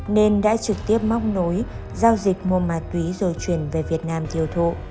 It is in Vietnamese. nên đã trực tiếp móc nối giao dịch mua ma túy rồi chuyển về việt nam thiêu thộ